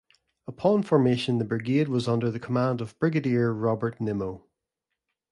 Upon formation the brigade was under the command of Brigadier Robert Nimmo.